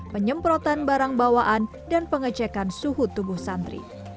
penyemprotan barang bawaan dan pengecekan suhu tubuh santri